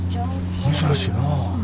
珍しいな。